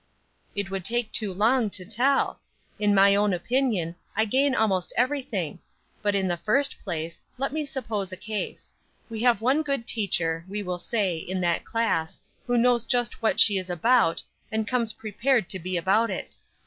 "It would take too long to tell. In my own opinion, I gain almost everything. But, in the first place, let me suppose a case. We have one good teacher, we will say, in that class, who knows just what she is about, and comes prepared to be about it.